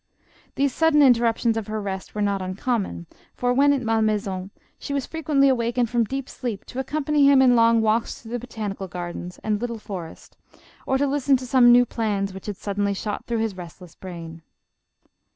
These sudden interruptions of her rest were not un common, for, when at Malmaison, she was frequently awakened from deep sleep to accompany him in long walks through the botanical gardens and "little "for est," or to listen to some new plans which had suddenly shot through his restless brain.